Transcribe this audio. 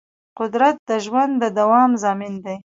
قدرت د ژوند د دوام ضامن دی.